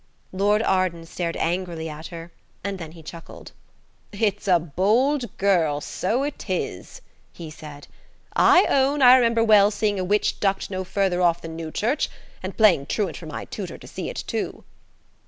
Lord Arden stared angrily at her, and then he chuckled. "It's a bold girl, so it is," he said. "I own I remember well seeing a witch ducked no further off than Newchurch, and playing truant from my tutor to see it, too."